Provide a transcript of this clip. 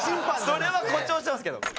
それは誇張してますけど。